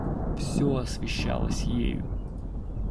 Всё освещалось ею.